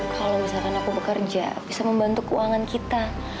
kalau misalkan aku bekerja bisa membantu keuangan kita